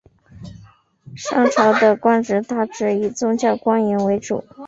商朝的官职大致以宗教官员为主。